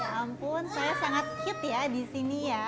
ya ampun saya sangat hit ya disini ya